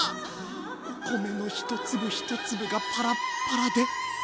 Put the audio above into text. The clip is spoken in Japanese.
米の一粒一粒がパラッパラで。